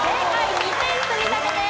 ２点積み立てです。